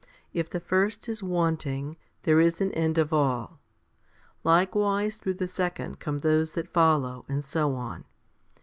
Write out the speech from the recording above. If the first is wanting, there is an end of all. Likewise through the second come those that follow, and so on.